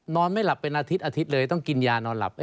ไม่หลับเป็นอาทิตอาทิตย์เลยต้องกินยานอนหลับ